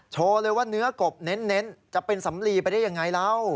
โชว์เลยว่าเนื้อกบเน้นจะเป็นสำลีไปได้ยังไงเล่า